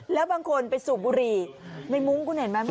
แล้วบางคนไปสูบบุหรี่ในมุ้งคุณเห็นไหม